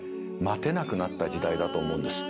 待てなくなった時代だと思うんです。